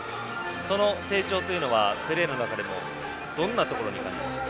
その成長はプレーの中でもどんなところに感じましたか？